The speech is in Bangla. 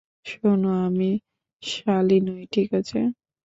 শোনো, আমি সালি নই, ঠিক আছে?